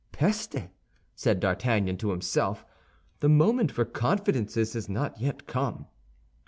"Peste!" said D'Artagnan to himself, "the moment for confidences has not yet come."